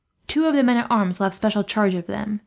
Two of the men at arms will have special charge of them.